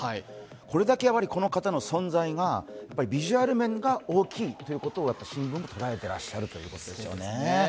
これだけこの方の存在がビジュアル面が大きいということを新聞は伝えてらっしゃるということですね。